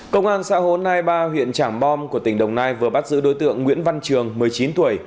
công an xã hồ nai ba huyện trảng bom của tỉnh đồng nai vừa bắt giữ đối tượng nguyễn văn trường một mươi chín tuổi